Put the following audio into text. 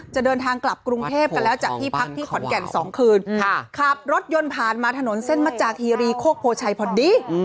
จะเดินทางกลับกรุงเทพกันแล้วจากที่พักที่ขอนแก่น๒คืนขับรถยนต์ผ่านมาถนนเส้นมัจจาคีรีโคกโพชัยพอดี